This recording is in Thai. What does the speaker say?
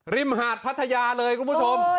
มหาดพัทยาเลยคุณผู้ชม